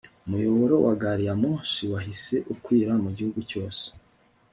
umuyoboro wa gari ya moshi wahise ukwira mu gihugu cyose